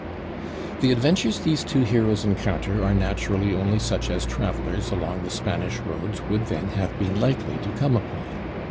The adventures these two heroes encounter are naturally only such as travelers along the Spanish roads would then have been likely to come upon.